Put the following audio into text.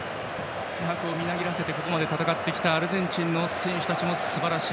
気迫をみなぎらせてここまで戦ってきたアルゼンチンの選手たちもすばらしい。